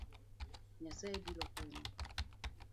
Nyasaye biro konyowa